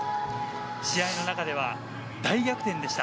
試合の中では大逆転でした。